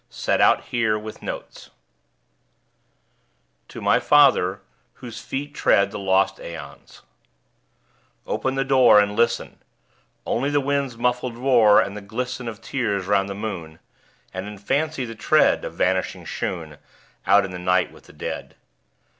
Set out here, with Notes_. TO MY FATHER (Whose feet tread the lost aeons) Open the door, And listen! Only the wind's muffled roar, And the glisten Of tears 'round the moon. And, in fancy, the tread Of vanishing shoon Out in the night with the Dead.